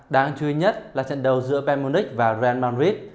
đáng chú ý nhất là trận đầu giữa bayern munich và real madrid